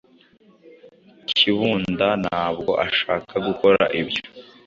Kibunda ntabwo ashaka gukora ibyo.